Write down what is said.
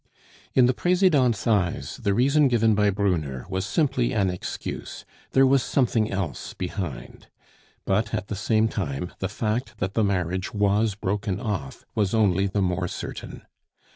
In the Presidente's eyes, the reason given by Brunner was simply an excuse, there was something else behind; but, at the same time, the fact that the marriage was broken off was only the more certain.